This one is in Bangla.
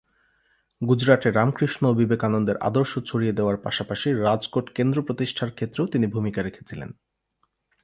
গুজরাটে রামকৃষ্ণ ও বিবেকানন্দের আদর্শ ছড়িয়ে দেওয়ার পাশাপাশি রাজকোট কেন্দ্র প্রতিষ্ঠার ক্ষেত্রেও তিনি ভূমিকা রেখেছিলেন।